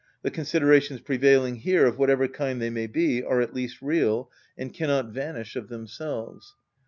The considerations prevailing here, of whatever kind they may be, are at least real, and cannot vanish of themselves.